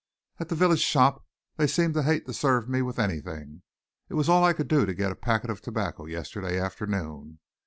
At the village shop they seemed to hate to serve me with anything. It was all I could do to get a packet of tobacco yesterday afternoon.